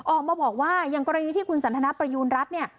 ออกมาบอกว่าอย่างกรณีที่คุณสันทนาประยูณรัฐเนี่ย